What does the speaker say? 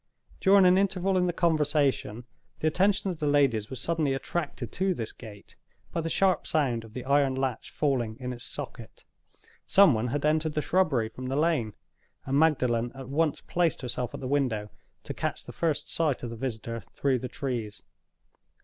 During an interval in the conversation, the attention of the ladies was suddenly attracted to this gate, by the sharp sound of the iron latch falling in its socket. Some one had entered the shrubbery from the lane; and Magdalen at once placed herself at the window to catch the first sight of the visitor through the trees.